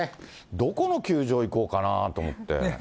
どこの球場行こうかなと思って。